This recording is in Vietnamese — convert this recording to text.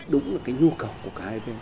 đúng là cái nhu cầu của cả hai bên